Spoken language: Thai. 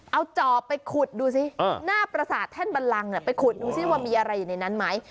เอาจอบไปขุดดูสิหน้าประสาทแท่นบันลังไปขุดดูสิว่ามีอะไรอยู่ในนั้นไหม